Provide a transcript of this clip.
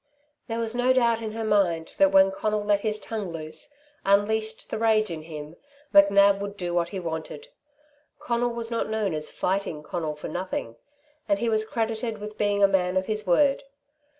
There was no doubt in her mind that when Conal let his tongue loose, unleashed the rage in him, McNab would do what he wanted. Conal was not known as "Fighting" Conal for nothing, and he was credited with being a man of his word.